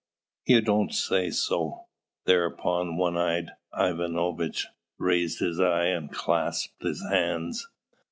"You don't say so!" Thereupon one eyed Ivan Ivanovitch raised his eye and clasped his hands.